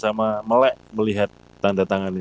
sama melek melihat tanda tangan ini